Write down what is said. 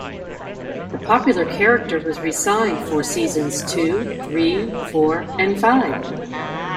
The popular character was re-signed for seasons two, three, four and five.